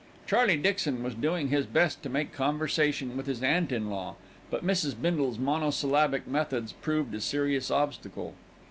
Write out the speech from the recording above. Charley Dixon was doing his best to make conversation with his aunt in law; but Mrs. Bindle's monosyllabic methods proved a serious obstacle.